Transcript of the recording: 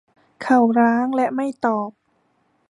เขาล้างและไม่ตอบ